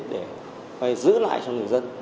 để phải giữ lại cho người dân